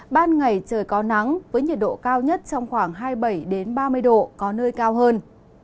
ban ngày trời có nắng với nhiệt độ cao nhất trong khoảng hai mươi bảy ba mươi độ có nơi cao hơn